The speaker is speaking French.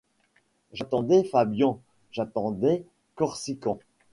J’attendais Fabian, j’attendais Corsican.